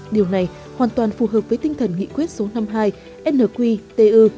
điều này hoàn toàn phù hợp với tinh thần nghị quyết số năm mươi hai nq tu